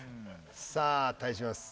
さあ対します